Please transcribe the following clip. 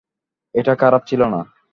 এটা খারাপ ছিল না।